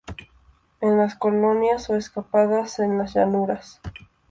En las colinas, o escapadas en las llanuras.